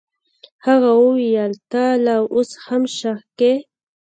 هغه وويل ته لا اوس هم شک کيې.